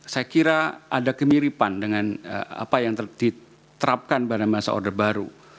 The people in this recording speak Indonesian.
saya kira ada kemiripan dengan apa yang diterapkan pada masa order baru